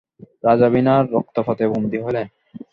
রাজা বিনা রক্তপাতে বন্দী হইলেন।